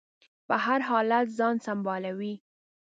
په هر حالت ځان سنبالوي.